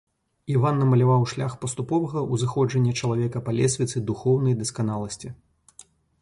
Іаан намаляваў шлях паступовага ўзыходжання чалавека па лесвіцы духоўнай дасканаласці.